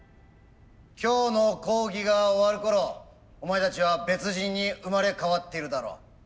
今日の講義が終わるころお前たちは別人に生まれ変わっているだろう。